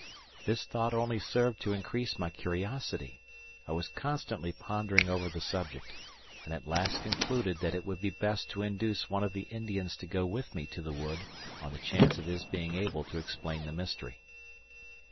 This thought only served to increase my curiosity; I was constantly pondering over the subject, and at last concluded that it would be best to induce one of the Indians to go with me to the wood on the chance of his being able to explain the mystery.